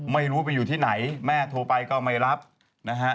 ไม่รู้ไปอยู่ที่ไหนแม่โทรไปก็ไม่รับนะฮะ